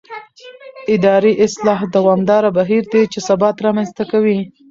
اداري اصلاح دوامداره بهیر دی چې ثبات رامنځته کوي